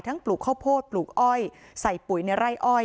ปลูกข้าวโพดปลูกอ้อยใส่ปุ๋ยในไร่อ้อย